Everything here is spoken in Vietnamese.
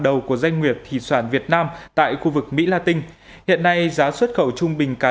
đầu của doanh nghiệp thủy sản việt nam tại khu vực mỹ la tinh hiện nay giá xuất khẩu trung bình cá